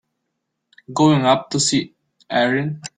Going up to see Erin.